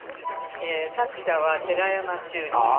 作者は寺山修司。